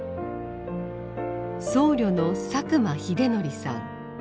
僧侶の佐久間秀範さん。